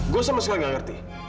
gue sama sekali gak ngerti